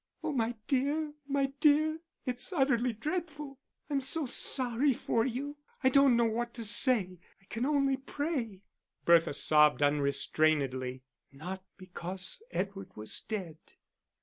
"Oh, my dear, my dear, it's utterly dreadful; I'm so sorry for you. I don't know what to say. I can only pray." Bertha sobbed unrestrainedly not because Edward was dead.